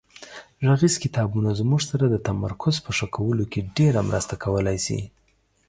غږیز کتابونه زموږ سره د تمرکز په ښه کولو کې ډېره مرسته کولای شي.